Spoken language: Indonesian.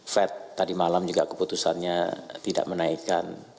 fed tadi malam juga keputusannya tidak menaikkan